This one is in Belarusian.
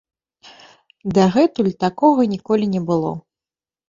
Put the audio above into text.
Дагэтуль такога ніколі не было.